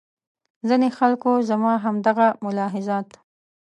ځینې خلکو زما همدغه ملاحظات.